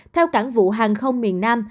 theo cảng vụ hàng không miền nam